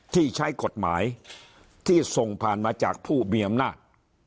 ที่ใช้กฎหมายที่ส่งผ่านมาจากผู้มีอำนาจ